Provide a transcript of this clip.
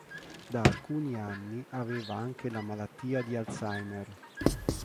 Da alcuni anni aveva anche la malattia di Alzheimer.